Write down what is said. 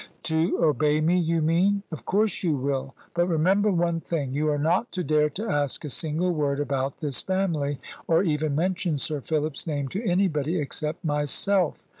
"To obey me, you mean. Of course you will. But remember one thing you are not to dare to ask a single word about this family, or even mention Sir Philip's name to anybody except myself.